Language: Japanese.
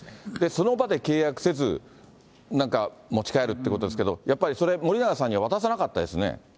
その場で契約せず、なんか持ち帰るってことですけど、やっぱりそれ、森永さんに渡さなかったですね。